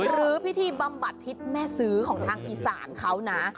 หรือพิธีบำบัดพิษแม่ซื้อของทางอีสานเขานะ